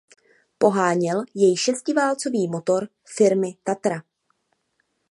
Poháněl jej šestiválcový motor firmy Tatra.